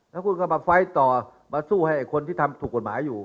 แล้วคุณก็มาไฟล์ต่อมาสู้ให้คนที่ทำถูกกฎหมายอยู่